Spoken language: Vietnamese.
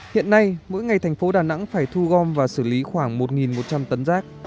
hiện nay mỗi ngày thành phố đà nẵng phải thu gom và xử lý khoảng một một trăm linh tấn rác